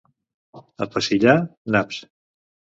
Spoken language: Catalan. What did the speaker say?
A Pesillà, naps.